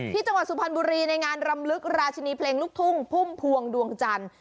จังหวัดสุพรรณบุรีในงานรำลึกราชินีเพลงลูกทุ่งพุ่มพวงดวงจันทร์